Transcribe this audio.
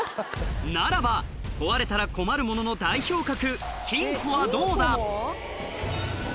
ならば壊れたら困るものの代表格金庫はどうだ？